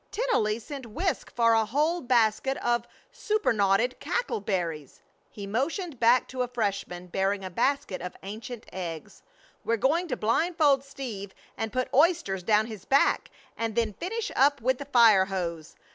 Tennelly sent 'Whisk' for a whole basket of superannuated cackle berries" he motioned back to a freshman bearing a basket of ancient eggs "we're going to blindfold Steve and put oysters down his back, and then finish up with the fire hose.